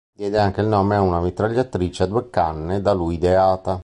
Diede anche il nome a una mitragliatrice a due canne da lui ideata.